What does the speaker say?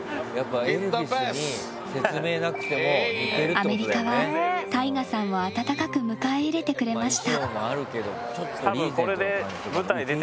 アメリカはＴＡＩＧＡさんを温かく迎え入れてくれました。